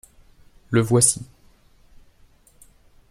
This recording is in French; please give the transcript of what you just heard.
—Le voici.